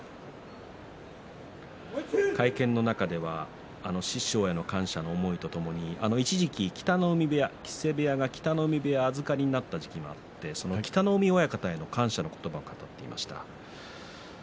会見の中では師匠への感謝の思いとともに一時期、木瀬部屋北の湖部屋が預かりになった時に北の湖親方への感謝を語っていました。